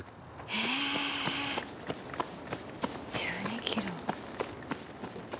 えっ１２キロ。